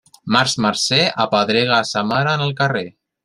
Març marcer, apedrega a sa mare en el carrer.